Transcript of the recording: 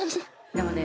でもね